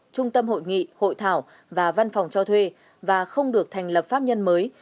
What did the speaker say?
trung tâm hội nghị hội thảo và văn phòng cho thuê và không được thành lập pháp nhân mới